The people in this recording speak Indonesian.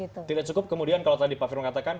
tidak cukup kemudian kalau tadi pak firman katakan